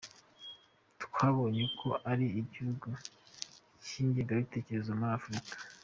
Twabonye ko ari igihugu cy’icyitegererezo muri Afurika”.